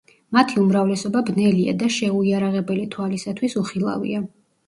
მათი უმრავლესობა ბნელია და შეუიარაღებელი თვალისათვის უხილავია.